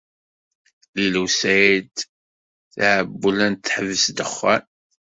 Lila u Saɛid tɛewwel ad teḥbes ddexxan.